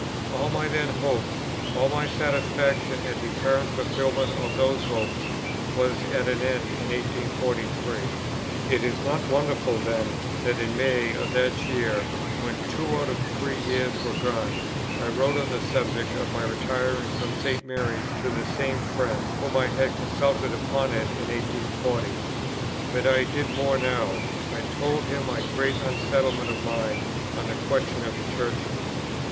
All my then hopes, all my satisfaction at the apparent fulfilment of those hopes was at an end in 1843. It is not wonderful then, that in May of that year, when two out of the three years were gone, I wrote on the subject of my retiring from St. Mary's to the same friend, whom I had consulted upon it in 1840. But I did more now; I told him my great unsettlement of mind on the question of the Churches.